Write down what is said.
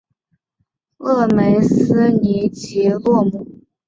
勒梅斯尼吉洛姆。